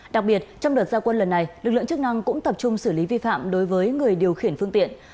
đặc biệt trong đợt giao quân lần này lực lượng chức năng cũng tập trung xử lý vi phạm đối với người điều khiển phương tiện